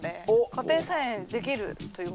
家庭菜園できるということで。